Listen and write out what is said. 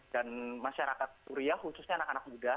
dan masyarakat suria khususnya anak anak muda